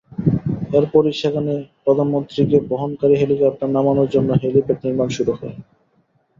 এরপরই সেখানে প্রধানমন্ত্রীকে বহনকারী হেলিকপ্টার নামানোর জন্য হেলিপ্যাড নির্মাণ শুরু হয়।